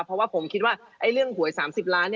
เพราะว่าผมคิดว่าเรื่องหวย๓๐ล้าน